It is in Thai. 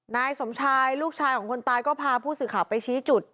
นายสมชายลูกชายของคนตายก็พาผู้สื่อข่าวไปชี้จุด